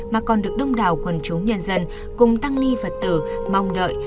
mà còn được đông đảo quần chúng nhân dân cùng tăng ni phật tử mong đợi